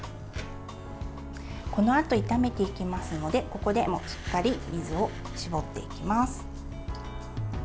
このあと炒めていきますのでここでもしっかり水を絞っていきます。